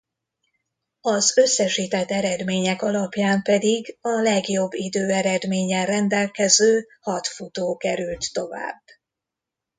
Az összesített eredmények alapján pedig a legjobb időeredménnyel rendelkező hat futó került tovább.